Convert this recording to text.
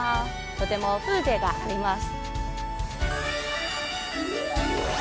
とても風情があります。